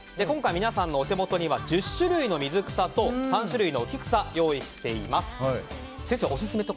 今回、皆さんのお手元には１０種類の水草と３種類の浮き草を用意しています。